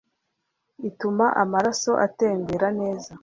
ituma amaraso atembera neza